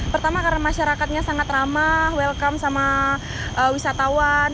pertama karena masyarakatnya sangat ramah welcome sama wisatawan